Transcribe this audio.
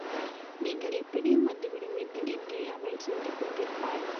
நீங்கள் எப்படியும் வந்து விடுவீர்கள் என்றே அவள் சொல்லிக் கொண்டிருப்பாள்.